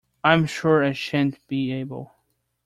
I’m sure I shan’t be able!